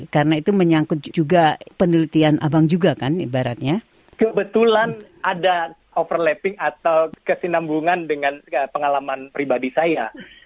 kebetulan ada overlapping atau kesinambungan dengan pengalaman pribadi saya